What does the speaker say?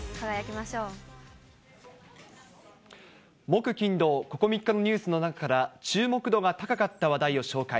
木、金、土、ここ３日のニュースの中から、注目度が高かった話題を紹介。